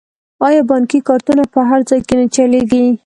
آیا بانکي کارتونه په هر ځای کې نه چلیږي؟